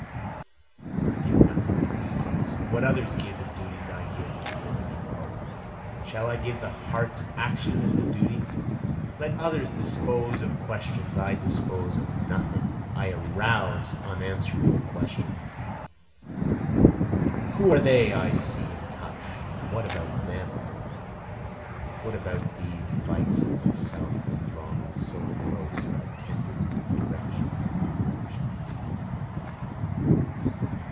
I give nothing as duties, What others give as duties I give as living impulses, (Shall I give the heart's action as a duty?) Let others dispose of questions, I dispose of nothing, I arouse unanswerable questions, Who are they I see and touch, and what about them? What about these likes of myself that draw me so close by tender directions and indirections?